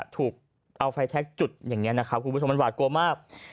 ถูกเอาไฟแชคจุดอย่างนี้นะครับคุณผู้ชมมันหวาดกลัวมาก